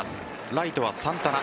ライトはサンタナ。